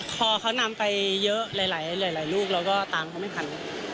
พอเขานำไปเยอะหลายลูกเราก็ตามเขาไม่ทัน